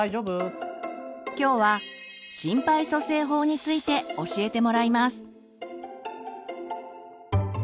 きょうは心肺蘇生法について教えてもらいます。